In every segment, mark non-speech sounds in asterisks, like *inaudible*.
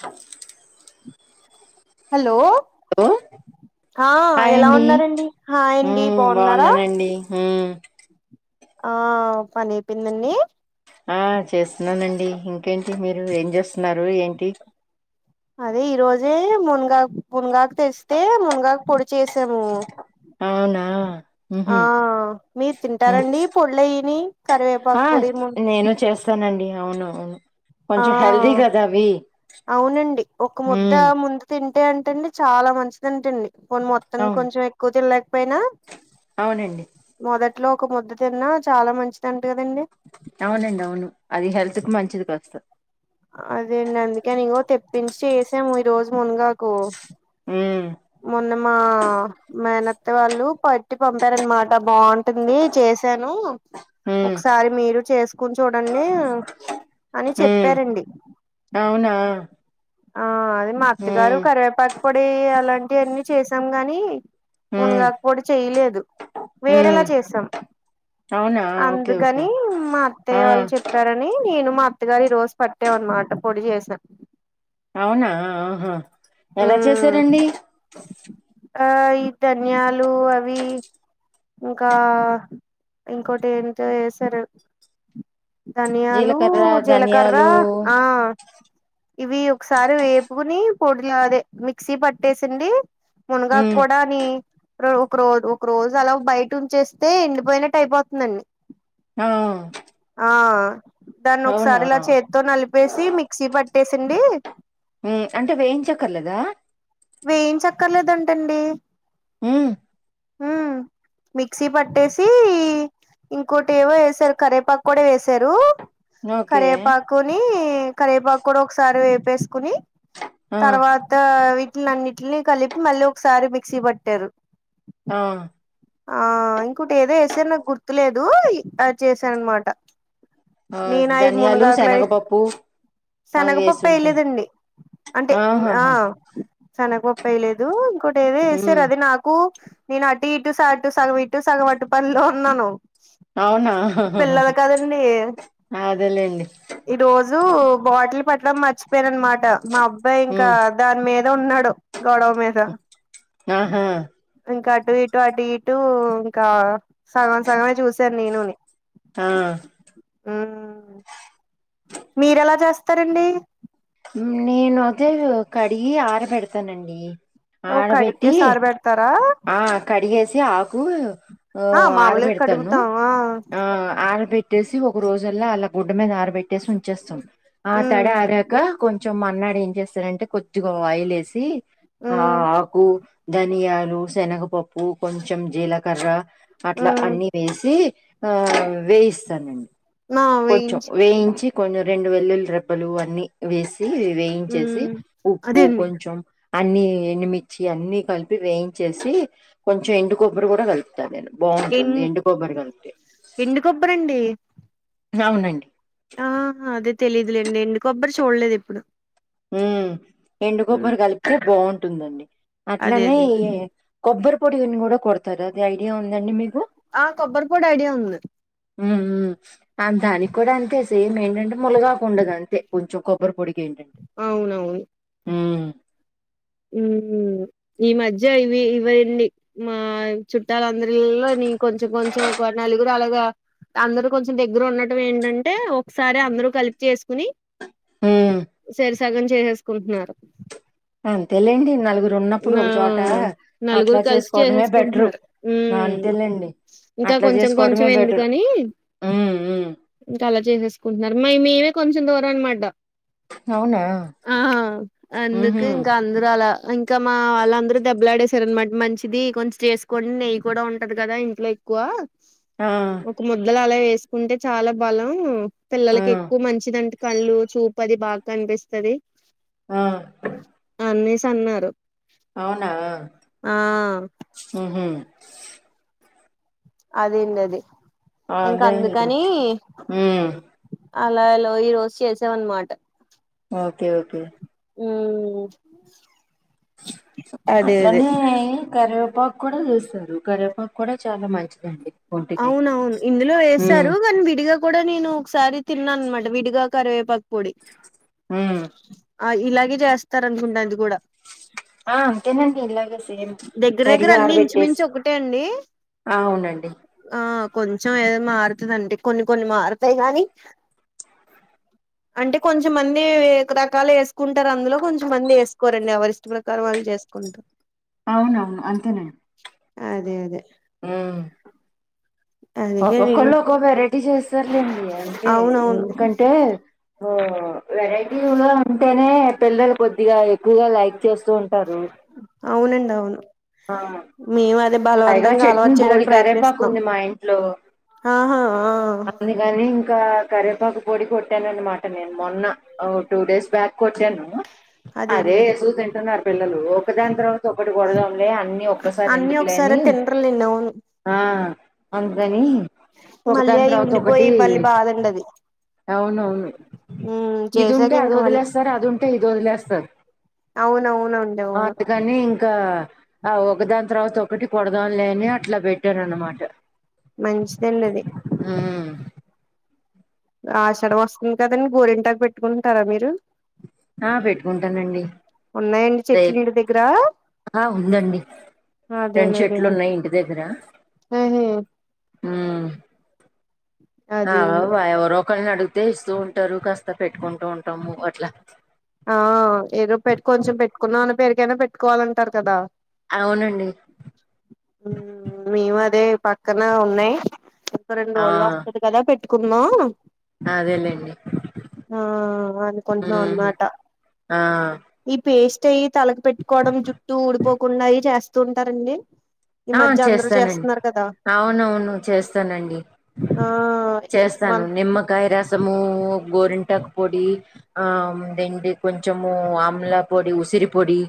హ hello hello ఆ hi ఎలా అండి ఉన్నారండి హాయ్ అండీ ఉమ్ బాగున్నారా బాగున్నానండి ఉమ్ ఆ పని అయిపోయిందండి ఆ చేస్తున్నానండి ఇంకేంటి మీరు ఏం చేస్తున్నారు ఏంటి అదే ఈ రోజే మునగా మునగాకు తెస్తే మునగాకు పొడి చేసాము అవునా ఆ ఉహు మీరు ఉమ్ తింటారండి పొళ్ళు్యని ఆ నేను చేస్తానండి అవునవును ఆ అవునండి ఒక ముద్ద ఉమ్ ముందు తింటే అంటండి చాలా మంచిదింటండి పోన్ మొత్తం అవును కొంచెం ఎక్కువ తినలేకపోయినా అవునండి మొదట్లో ఒక ముద్ద తిన్నా చాలా మంచిది అంట కదండి అవునండి అవును అది హెల్త్ కు మంచిది కాస్త అదే అండి అందుకేని ఇగో తెప్పించి చేసాము ఈ రోజు మునుగాకు ఉ మొన్న మా మేనత్త వాళ్ళు పట్టి పంపారన్మా ఇ బాగుంటుంది చేసాను, ఉమ్ ఒకసారి మీరు చేస్ కుని చూడండి అని ఉమ్ చెప్పారండి. అవునా ఆ అది మా అత్తగారు ఉమ్ కరివేపాక పొడి అలాంటివన్నీ చేసాం గాని ఉమ్ మునగాక్ పోడి చెయలేదు వేరేలా ఉమ్ చేసాం అవునా ఓకే ఓకే అందుకని మా ఆ అత్తయ్య వాళ్ళు చెప్పార ని నేను మా అత్తగారు ఈ రోజు పట్టాం అన్మాట పొడి చేస్న. అవునా ఆహా, ఎలా ఉమ్ చేసారండి? ఆ ఈ ధన్యాలు అవి ఇంకా ఇంకోటి ఎంతో ఎసారు. ధనియాలు, జీలకర్ర జీలకర్ర ధనియాలు ఆ ఇవి ఒకసారి వేపుకుని పొడిలా, అదే మిక్సీ పట్టేసింది. మునగాక్ ఉమ్ కూడా నీ రో ఒక రోజ్ ఒక రోజు అలా బయట ఉంచేస్తే ఎండిపోయినట్టు అయిపోతుందండి. ఆ ఆ దాన్ని అవునా ఒకసారి ఇలా చేతితో నలిపేసి మిక్సీ పట్టేససీన్డి ఉ అంటే వేయించక్కర్లేదా? వేయించక్కర్లేదంటండి ఆ హ మిక్సీ పట్టేసి ఇంకోటి ఏవో ఏసారు, కరేపాకు కూడా వేసారు. ఓకే కరివేపాకుని కరివేపాకు కూడా ఒకసారి వేపేసుకుని ఆ తర్వాత వీటిని అన్నింటిని కలిపి మళ్ళీ ఒకసారి మిక్సీ పట్టారు. ఆ ఆ ఇంకోటి ఏదో ఏసారు నాకు గుర్తులేదు, అది చేసానన్మాట. ఆ నేన్ అయ్ ధనియాలు మున్గాక్ల అయ్ శనగపప్పు అవి శనగపప్ప వేసుంటారు ఏయలేదండి అంటే ఆ ఆహాహా సనగ పప్పు ఏయలేదు, ఇంకోటి ఏదో ఉమ్ ఏసారు. అది నాకు నేను అటు ఇ ఇటు స అటు సగం ఇటు సగం అటు పల్లో ఉన్నాను అవునా పిల్లలు కదండి అదేలేండి ఈ రోజు బాటిల్ పట్టటం మర్చిపోయినన్మాట, మా అబ్బాయి ఇంకా ఉమ్ దాని మీద ఉన్నాడు గొడవ మీద ఆహా ఇంకా అటు ట అటు ఇటు ఇంకా సగం సగమే చూశాను నేను నీ ఆ ఆ మీరెలా చేస్తారండి? నేను ఆకదే కడిగి ఆర పెడతానండి. ఓ కడిగే ఆడబెట్టి సారు పెడతారా ఆ కడిగేసి ఆకు ఆ మామూలుగా అరబెడతను కడుగుతాం ఆ ఆ ఆరబె పెట్టేసి ఒక రోజల్లా అలా గుడ్డ మీద ఆరబెట్టేసి ఉంచేస్తాం ఆ మ్మ్ తడ కొంచం మర్నాడు ఏం చేస్తారంటే కొద్దిగా ఆయిల్ వేసి ఆ మ్మ్ ఆకు ధనియాలు శనగపప్పు కొంచెం జీలకర్ర అట్లా అన్ని మ్మ్ వేసి ఆ వేయిస్తానండి ఆ కొంచెం వేయించి వేయించి కొంచెం రెండు వెల్లుల్లి రెబ్బలు అన్ని వేసి వేయించేసి మ్మ్ ఉప్పు అదేండి కొంచెం అన్నీ ఎండుమిర్చి అన్ని కలిపి వేయించేసి కొంచెం ఎండు కొబ్బరి కూడా కలి నేను ఎం బాగుంటుంది ఎండు కొబ్బరి కలిపితే ఎండు కొబ్బరి అండి అవునండి ఆ అది తెలీదులేండి ఎండుకొబ్బరి చూడలేదు ఎప్పుడు ఉ మ్మ్ ఎండుకొబ్బరి కలిపితే బాగుంటుందండి అదే అట్లనే అదే ఈ కొబ్బరి పొడి అ కూడా కొడతారు అది ఐడియా ఉందండి మీకు ఆ కొబ్బరి పొడి ఐడియా ఉంది ఊ ఊ దానికి కూడా అంతే సేమ్ ఏంటంటే ములగకు ఉండదు అంతే కొంచెం కొబ్బరి పొడికి ఏంటంటే అవునవును ఊ ఉ ఈ మధ్య ఇవి ఇవ్వండి మా చుట్టాల అందరి ఇళ్ళలోనీ కొంచెం కొంచెం ఒక నలుగురు అలాగా అందరు కొంచెం దగ్గర ఉండటం ఏంటంటే ఒకసారి అందరు కలిపి చేసుకుని హ్మ్ సేరి సగం చేసేసుకుంటున్నారు అంతేలేండి నలుగురు ఉన్నప్పుడు నా ఒకచోట నలుగురు అట్లా కలిసి చేసుకోవడమే బెటరు చేసేసుకుంటున్నారు ఆ హ్మ్ అంతేలెండి ఇంకా కొంచెం కొంచెం ఎందుకని హ్మ్ హ్మ్ ఇంకా అలా చేసేసుకుంటున్నారు మ మేమే కొంచెం దూరం అన్నమాట అవునా ఆ ఉహూ అందుకు అందరు అలా ఇంకా మా వాళ్ళ అందరు దెబ్బలాడేసారు అన్నమాట మంచిది కొంచెం చేసుకోని నెయ్యి కూడా ఉంటది కదా లైక్కువ ఆ ఒక ముద్దల అలా వేసుకుంటే చాలా బలం ఆ పిల్లలకి ఎక్కువ మంచిదంటే కళ్ళు చూపు అది బాగా కనిపిస్తది ఆ అన్నేసి అన్నారు అవునా ఆ ఉహు అదేందది ఇంకా అదే అందుకని హ్మ్ అలా లో ఈ రోజు చేశావన్నమాట ఓకే ఓకే ఉ అట్లనే కరివేపాకు కూడా వేస్తారు కరివేపాకు కూడా చాలా మంచిదండి ఒంటికి అవునవును ఇందులో ఉమ్ వేసారు కానీ విడిగా కూడా నేను ఒకసారి తిన్నాను అన్నమాట విడిగా కరివేపాకు పొడి ఉమ్ ఆ ఇలాగే చేస్తారనుకుంటా అది కూడా ఆ అంతేనండి ఇది అది సేమ్ దగ్గర దగ్గర తడిగా అన్ని ఆరబెట్టేసి ఇంచుమించు ఒకటే అండి అవునండి ఆ కొంచెం ఏదో మారుతాయండి కొన్ని కొన్ని మారుతాయి గానీ అంటే కొంచెంమంది రకాలు వేసుకుంటారు అందులో కొంచెంమంది వేసుకోరండి ఎవరి ఇష్ట ప్రకారం వాళ్ళు చేసుకుంటారు అవునవును అంతేనే అదే అదే ఉమ్ అందుకే నేను ఒక్కొక్కళ్ళు ఒక్కొ వెరైటీ చేస్తారులేండి అంతే అవునవును ఎందుకంటే అంటే ఆ వెరైటీ లో ఉంటేనే పిల్లలు కొద్దిగా ఎక్కువగా లైక్ చేస్తూ ఉంటారు అవునండి అవును ఆ మేము అదే పైగా బలవంతంగా చట్ని అలవాటు చేయడానికి బోలేడు కరేపాకు ఉంది మా ఇంట్లో ఆ ఆ అందుకని ఇంకా కరివేపాకు పొడి కొట్టాను అన్నమాట నేను మొన్న ఓ టుూ డేస్ బ్యాక్ కొట్టాను అదే ఏసుకు తింటున్నారు పిల్లలు ఒకదాని తర్వాత ఒకటి కొడదాంలే అన్ని ఒక్కసారి ఎందుకు సరే తిండ్రిలేని అవును ఆ మంచిదని ఒక మళ్ళీ దాని అవి తర్వాత ఉండిపోయి ఒకటి మళ్ళీ బాదండి అది అవునవును ఉమ్, ఇది చేసాక ఉంటే అది ఇంక మళ్ళీ వదిలేస్తారు అదుంటే ఇది వదిలేస్తారు అవునవునండి అవును అందుకని ఇంకా ఆ ఒకదాని తర్వాత ఒకటి కొడదాంలే అని అట్ల పెట్టారు అన్నమాట మంచిది అన్నది అది ఉమ్ ఆషడం వస్తుంది కదండి గోరింటాకు పెట్టుకుంటారా మీరు ఆ పెట్టుకుంటానండి ఉన్నాయండి చెట్లు రేపు ఇంటి దగ్గర ఆ ఉందండి రెండు చెట్లు ఉన్నయి ఇంటి దగ్గర ఉమ్ సరే ఆ ఎవరో ఒకరిని అడిగితే ఇస్తూ ఉంటారు కాస్త పెట్టుకుంటూ ఉంటాము అట్లా ఆ ఏదో పెట్టు కొంచెం పెట్టుకున్నాం అని పేరుకైనా పెట్టుకోవాలంటారు కదా అవునండి ఉమ్ మేము అదే పక్కన ఉన్నయి ఇంకా రెండు ఆ రోజులో వస్తాయి కదా పెట్టుకున్నాం అదేలేండి ఆ అనుకుంటున్నాం ఉమ్ అన్నమాట ఆ ఈ పేస్ట్ అయి తలకి పెట్టుకోవడం జుట్టు ఊడిపోకుండా అయి చేస్తూ ఉంటారండి ఈ ఆ మధ్య అందరూ చేస్తానండి చేస్తున్నారు కదా అవునవును చేస్తానండి ఆ మన చేస్తాను నిమ్మకాయ రసము గోరింటకు పొడి ఆ దిండి కొంచము ఆమ్లా పొడి ఉసిరి పొడి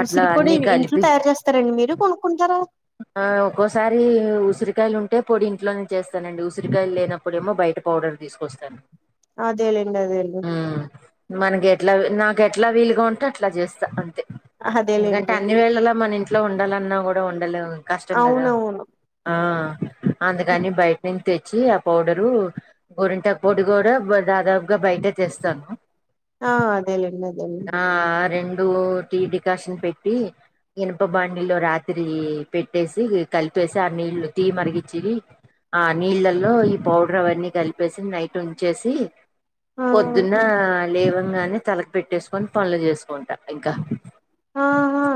అట్లా ఉసిరిపొడి అన్ని ఇంట్లో కలిపి తయారు చేస్తారండి మీరు కొనుక్కుంటారా ఆ ఒక్కోసారి ఉసిరికాయలు ఉంటే పొడి ఇంట్లోనే చేస్తానండి ఉసిరికాయలు లేనప్పుడేమో బయట పౌడర్ తీసుకొస్తాను అదేలిండి అదేండి ఉమ్ మనకి ఎట్లా నాకు ఎట్లా వీలుగా ఉంటే అట్లా చేస్తా అంతే ఎందుకంటే అదేలేండి అ అని వేళలా మన ఇంట్లో ఉండాలన్నా కూడా ఉండలేం కష్టం కదా అవునవును ఆ అందుకని బయట నుంచి తెచ్చి ఆ పౌడరు గోరింటాకు పొడి కూడా దాదాపుగా బయటే తెస్తను ఆ అదేలేండి అదేలేండి ఆ రెండు టి డికాషన్ పెట్టి ఇనుప బండిలో రాత్రి ఉం పెట్టేసి కలిపేసి ఆ నీళ్ళు టీ మరిగచ్చివి ఆ నీళ్ళలో ఈ పౌడర్ అవన్నీ కలిపేసి నైట్ ఉంచేసి ఆ పొద్దున్న లేవంగానే తలకి పెట్టేసుకొని పనులు చేసుకుంటా ఇంకా ఆహా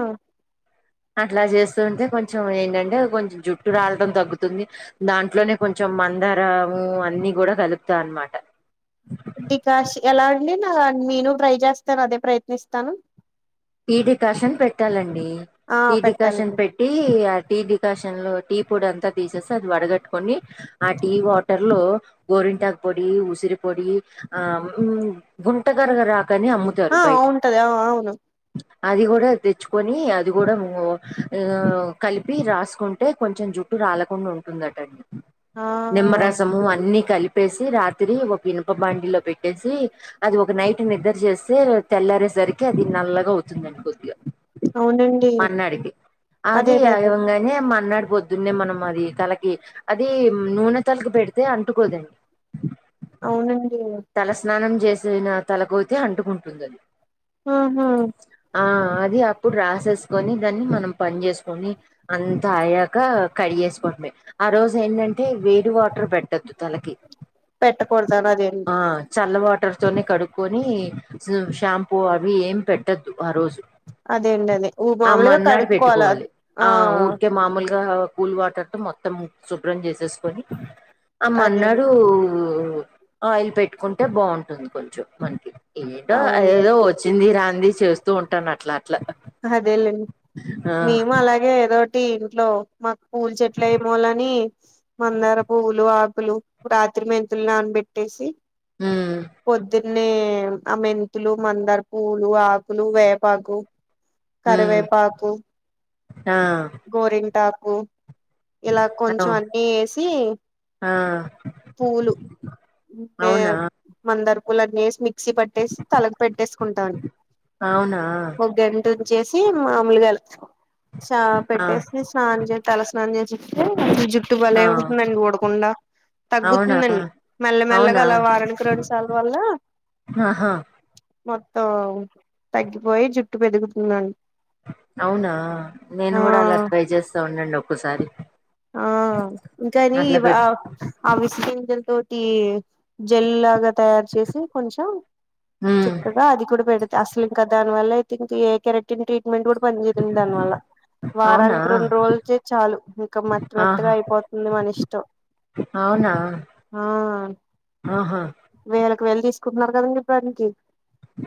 అట్లా చేస్తుంటే కొంచెం ఏంటంటే కొంచెం జుట్టు రాలడం తగ్గుతుంది. దాంట్లోనే కొంచెం మందారము అన్ని కూడా కలుపుతా అన్నమాట ఇ కాశ ఎలా అండి నా నేను ట్రై చేస్తాను అదే ప్రయత్నిస్తాను. ఈడికాషన్ పెట్టాలండి ఆ ఈడికాషన్ పెట్టాలండి పెట్ టీ ఆ టీ డికాషన్ లో టీ పొడి అంతా తీసేసి అది వడగట్టుకొని ఆ టీ వాటర్ లో గోరింటాకు పొడి ఉసిరి పొడి ఆ గుంటగరగ రాకని అమ్ముతారు ఆ బయట ఉంటది దా ఆ అవును. అది కూడా తెచ్చుకొని అది కూడా కలిపి రాసుకుంటే కొంచెం జుట్ రాలకుండా ఉంటుందట హా నిమ్మరసము అన్ని కలిపేసి రాత్రి ఒక వినుప బాండిలో పెట్టేసి అది ఒక నైట్ నిద్ర చేస్తే తెల్లారేసరికి అది నల్లగా అవుతుంది అనుకొద్దిగా అవునండి మన్నా అడికి అదే అదిే అదే *unintelligible* అదే ఇవంగా అ మన్నాడు పొద్దున్నే మనం అది తలకి అది నూనె తలకు పెడితే అంటుకోదండి. అవునండి తల స్నానం చేసిన తలకయితే అంటుకుంటుందిది. ఆహా ఆ అది అప్పుడు రాసేసుకొని దాన్ని మనం పని చేేసుకొని అంత అయ్యాక కడిగేసుకోవటమే ఆ రోజు ఏంటంటే వేడి వాటర్ పెట్టొద్దు తలకి పెట్ట కూడదు అదేని ఆ చల్ల వాటర్ తోనే కడుక్కుని షాంపూ అవి ఏం పెట్టొద్దు ఆ రోజు అదేండి అదే ఉ ఆ మామూలుగా మన్నాడు కడుక్కోవాలా పెట్టుకోవాలి ఆ ఊరికే మామూలుగా కూల్ వాటర్తో మొత్తం శుభ్రం చేసేసుకొని అదేండి ఆమన్నాడు ఆయిల్ పెట్టుకుంటే బాగుంటుంది కొంచెం మనకి ఇంట్లో ఏ అవును ఏదో వచ్చింది రాంది చేస్తూ ఉంటాను అట్లా అట్లా అదేలేండి ఆ మేము అలాగే ఏదోటి ఇంట్లో మాకు పూలు చెట్ల ఏమోలని మందార పువ్వులు ఆకులు రాత్రి మెంతులు నానబెట్టేసి ఉమ్ పొద్దు నే ఆ మెంతులు మందారు పూలు ఆకులు వేపాకు ఉమ్ కరివేపాకు ఆ గోరింటాకు ఇలా అ కొంచెం అన్నిీ వేసి ఆ పూలు మ అవునా మందర్ పూలన్నీ వేసి మిక్ మిక్స పట్టేసి తలకు పెట్టేసుకుంటాను అవునా ఒక ట్టుంచేసి మామలుగాలు చ ఆ పెట్టేసి స్నానం చే తల స్నానం చేసిస్తేజు జుట్టు ఆ బలే ఉంటుందండి ఉడాకుండా అవునా తగ్గుతుందండి మెల్లమెల్లగా అవునా అలా వారానికి రెండు సార్ వల్ల ఆహా మొత్తం తగ్గిపోయి జుట్టు పెరుగుతుందండి అవునా నేను కూడా అలా ఆ ట్రై చేస్తా ఉండండి ఒక్కసారి ఆ అట్లా ఇంకానివా పెట్టు అవిస గింజల్ తోటి జల్ లాగా తయారు చేేసి కొంచెం హ్మ్ చక్కగా అది కూడా పెడితే అసలు ఇంకా దానివల్ల అయితే ఇంకా ఏ కెరెటిన్ ట్రి మ్మెంట్ కూడా పని చేేయదు దానివల్ల అవునా వారానికి రెండు రోలు చేయ్ చాలు క మెత్త మెత్తగ ఆహా అయిపోతుంది మన ఇష్టం అవునా ఆహా వేలకి వేలు తీసుకుంటున్నారు కదండి పనికి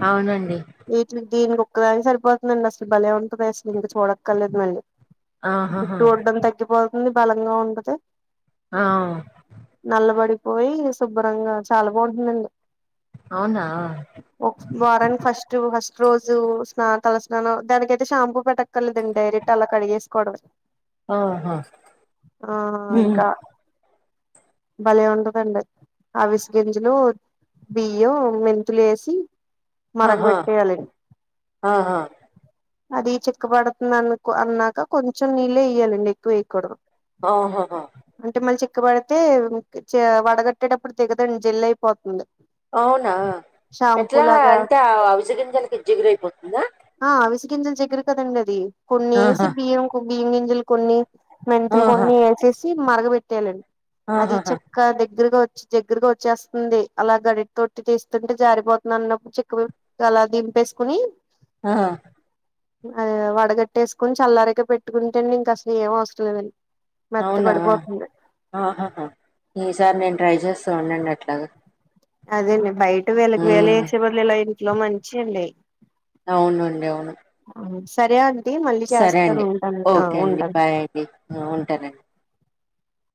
అవునండి వీ దీనికి ఒక్కదానికి సరిపోతుందండి అసలు భలే ఉంటది అసలు ఇంకా చూడక్కర్లేదు మళ్ళీ ఆహాహా జుట్టు ఉడ్డం తగ్గిపోతుంది బలంగా ఉంటది ఆ నల్లబడిపోయి శుభ్రంగా చాలా బావుంటుందండి అవునా ఒక వారానికి ఫస్ట్ ఫస్ట్ రోజు స్నా తలస్నానం దానికైతే షాంపూ పెట్ట కర్లేదండి డైరెక్ట్ అలా కడిగేసుకోడమే ఆహా ఆ హ్మ్ ఇంకా భలే ఉంటదండి అవిసెగింజలు బియ్యం మెంతులు వేసి మరగ ఆహా బెట్టెయాలి ఆహా అది చిక్క పడుతుంది అన్కో అన్నాక కొంచెం నీళ్ళే ఎయ్యాలండి ఎక్కువ వేయకూడదు ఆహాహా అంటే మళ్ళీ చిక్కబడితే చ వడగట్టేటప్పుడు దిగదండి జల్లు అయిపోతుంది అవునా షాంపూ ఎట్లా లాగా అంటే అవిసె గింజలకి జిగురైపోతుందా ఆ అవిసె గింజలు జిగురు కదండి అది కొన్ని ఎసి ఆహా బియ్యం కు బియ్యం గింజలు కొన్ని మెంతులు ఆహా కొన్ని ఎసేసి మరగబెట్టేయాలండి అది ఆహాహా చెక్క దగ్గరగా వచ్చి దగ్గరగ వచ్చేస్తంది అలా గరితొట్టి తీస్తుంటే జారిపోతుంది అన్నప్పుడు చిక్కు అలా దింపేసుకుని ఆ ఆ వడగట్టేసుకొని చల్లారకా పెట్టుకుంటే అండి ఇంక అసలు ఏం అవసరం లేదండి మెత్త అవునా పడిపోతుంది ఆహాహా ఈసారి నేను ట్రై చేస్తా ఉండండి అట్లాగా అదేండి బయట వేలకి వేలు ఉమ్, వేసే బదులు ఇలా ఇంట్లో మంచి అండి అవునండి అవును సరే అంటీ మళ్ళీ సరే చేస్తాను అండి ఉంటాను ఆ ఓకే అండి ఉంటాను బాయ్ అండి ఆ ఉంటానండి